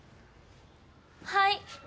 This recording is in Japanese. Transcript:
はい。